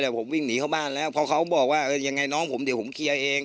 แต่ผมวิ่งหนีเข้าบ้านแล้วเพราะเขาบอกว่ายังไงน้องผมเดี๋ยวผมเคลียร์เอง